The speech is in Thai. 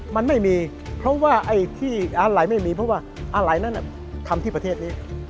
มันไม่มีเพราะว่าไอ้ที่อะไรไม่มีเพราะว่าอะไรนั้นทำที่ประเทศนี้